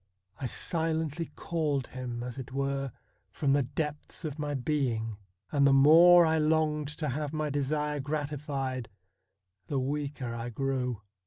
I silently called him, as it were, from the depths of my being, and the more I longed to have my desire gratified the weaker I grew.